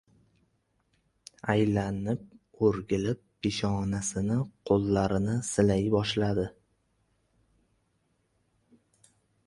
Ayla- nib-o‘rgilib peshonasini, qo‘llarini silay boshladi...